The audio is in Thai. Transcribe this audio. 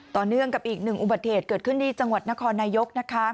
ต่อเนื่องกับอีกหนึ่งอุบัติเหตุเกิดขึ้นที่จังหวัดนครนายกนะคะ